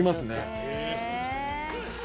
へえ！